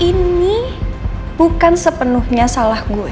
ini bukan sepenuhnya salah gue